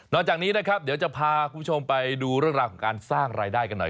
จากนี้นะครับเดี๋ยวจะพาคุณผู้ชมไปดูเรื่องราวของการสร้างรายได้กันหน่อย